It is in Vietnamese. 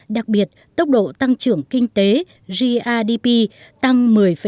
đặc biệt tốc độ tăng trưởng kinh tế grdp tăng một mươi một mươi sáu